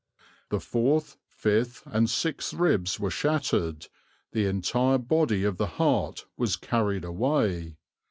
"The fourth, fifth, and sixth ribs were shattered, the entire body of the heart was carried away."